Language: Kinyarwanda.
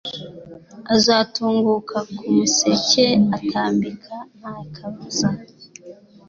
"Azatunguka nk'umuseke utambika nta kabuza."